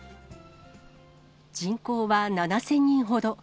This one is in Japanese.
人口は７０００人ほど。